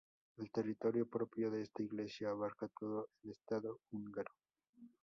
El territorio propio de esta Iglesia abarca todo el Estado húngaro.